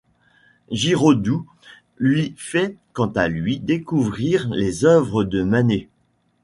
Giraudoux lui fait quant à lui découvrir les œuvres de Manet.